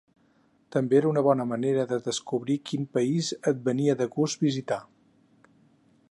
També era una bona manera de descobrir quin país et venia de gust visitar.